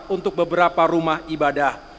untuk beberapa rumah ibadah